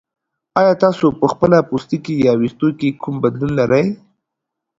ایا تاسو په خپل پوستکي یا ویښتو کې کوم بدلون لرئ؟